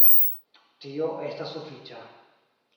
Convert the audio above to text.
Tio estas sufiĉa...